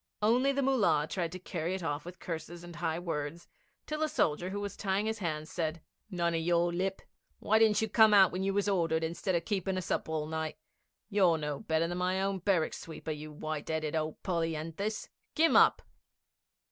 Only the Mullah tried to carry it off with curses and high words, till a soldier who was tying his hands said: 'None o' your lip! Why didn't you come out when you was ordered, instead o' keepin' us awake all night? You're no better than my own barrack sweeper, you white 'eaded old polyanthus! Kim up!'